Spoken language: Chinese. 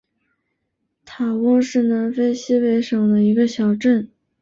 塔翁是南非西北省的一个小镇。